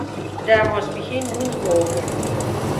د ماسپښین لمونځ مو وکړ.